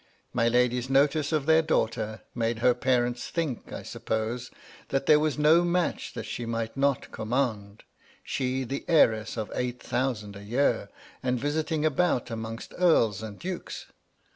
My lady's notice of their daughter made her parent's think, I suppose, that there was no matdi that she might not command ; she, the heiress of eight thousand a year, and visiting about among earls and dukes.